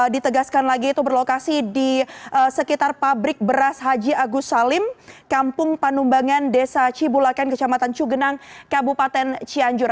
ditegaskan lagi itu berlokasi di sekitar pabrik beras haji agus salim kampung panumbangan desa cibulakan kecamatan cugenang kabupaten cianjur